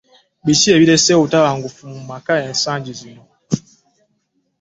Biki ebireseewo obutabanguko mu maka esanji zino?